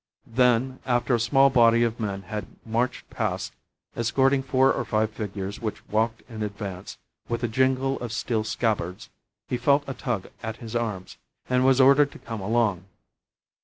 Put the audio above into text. Then, after a small body of men had marched past escorting four or five figures which walked in advance, with a jingle of steel scabbards, he felt a tug at his arms, and was ordered to come along.